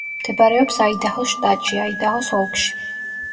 მდებარეობს აიდაჰოს შტატში, აიდაჰოს ოლქში.